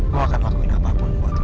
gua akan lakuin apapun buat lu